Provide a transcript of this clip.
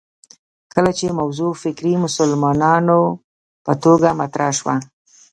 کله چې موضوع فکري مسلماتو په توګه مطرح شوه